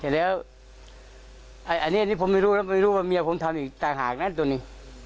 แล้วอันนี้ผมไม่รู้แล้วไม่รู้ว่าเมียผมทำอีกต่างหากนะตัวนี้